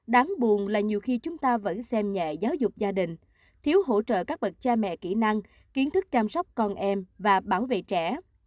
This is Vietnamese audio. đáng buồn là nhiều khi chúng ta vẫn xem nhẹ giáo dục gia đình thiếu hỗ trợ các bậc cha mẹ kỹ năng kiến thức chăm sóc con em và bảo vệ trẻ